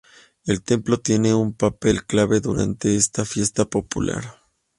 El templo tiene un papel clave durante esta fiesta popular.